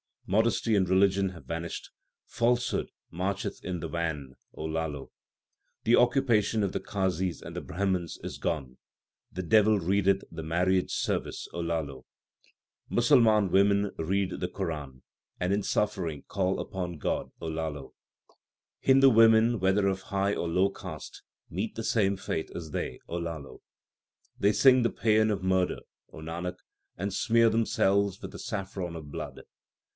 Modesty and religion have vanished ; falsehood marcheth in the van, O Lalo. The occupation of the Qazis and the Brahmans is gone ; the devil readeth the marriage service, 3 O Lalo. Musalman women read the Quran, and in suffering call upon God, O Lalo. Hindu women whether of high or low caste, meet the same fate as they, O Lalo. They sing the paean of murder, O Nanak, and smear themselves with the saffron of blood.